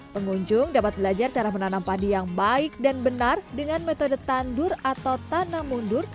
pengunjung dapat belajar cara menanam padi yang baik dan benar dengan metode tandur atau tanam mundur